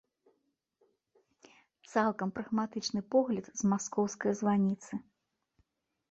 Цалкам прагматычны погляд з маскоўскае званіцы.